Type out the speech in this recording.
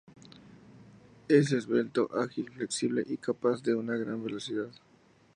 Es esbelto, ágil, flexible y capaz de una gran velocidad.